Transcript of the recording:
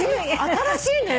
新しいね。